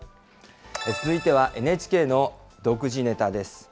続いてはＮＨＫの独自ネタです。